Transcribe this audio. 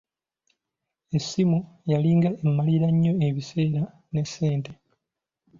Essimu yalinga emmalira nnyo ebiseera ne ssente.